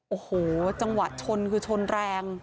โอ้โหจังหวะชนคือชนแรง